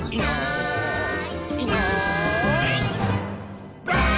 はい。